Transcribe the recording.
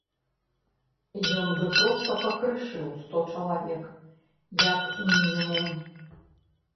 Ён бы проста пакрышыў сто чалавек, як мінімум.